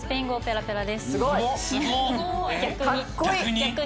逆に。